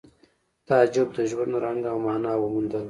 تعجب د ژوند رنګ او مانا وموندله